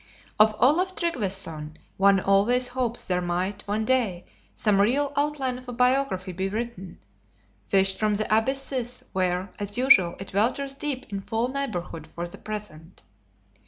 Of Olaf Tryggveson one always hopes there might, one day, some real outline of a biography be written; fished from the abysses where (as usual) it welters deep in foul neighborhood for the present.